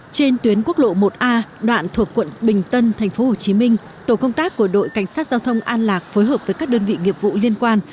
trên tuyến quốc lộ một a đoạn thuộc quận bình tân tp hcm tổ công tác của đội cảnh sát giao thông an lạc phối hợp với các đơn vị nghiệp vụ liên quan